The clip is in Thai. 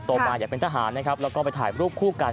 มาอยากเป็นทหารนะครับแล้วก็ไปถ่ายรูปคู่กัน